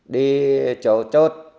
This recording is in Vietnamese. đi chỗ chốt